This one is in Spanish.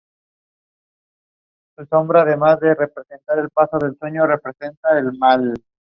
Fue escrito por Judy Burns y Chet Richards y dirigido por Herb Wallerstein.